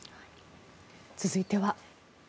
続いては。